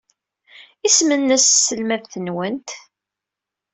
Isem-nnes tselmadt-nwent?